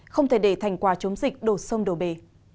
không thể để thành quả chống dịch đổ sông đổ bể